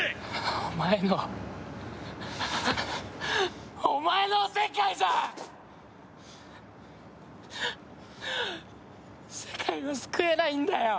お前のお前のおせっかいじゃ世界は救えないんだよ！